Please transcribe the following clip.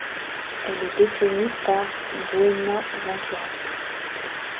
Elle est détenue par Buenaventura.